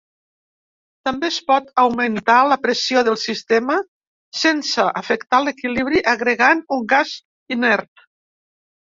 També es pot augmentar la pressió del sistema sense afectar l'equilibri agregant un gas inert.